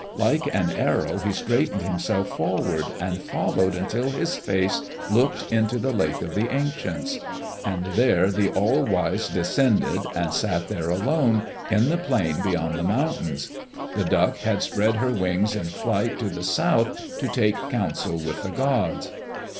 Like an arrow he straightened himself forward, and followed until his face looked into the Lake of the Ancients. And there the All wise descended, and sat there alone, in the plain beyond the mountains. The Duck had spread her wings in flight to the south to take counsel of the gods.